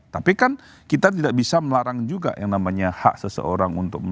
tapi kan kita tidak bisa melarang juga yang namanya hak seseorang